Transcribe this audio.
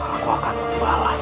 aku akan membalas